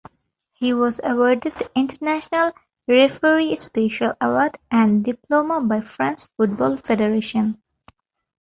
He was awarded the International Referee Special Award and Diploma by France Football Federation.